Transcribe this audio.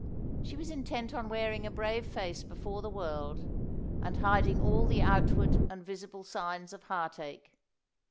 She was intent on wearing a brave face before the world, and hiding all the outward and visible signs of heartache.